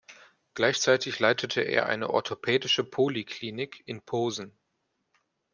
Gleichzeitig leitete er eine orthopädische Poliklinik in Posen.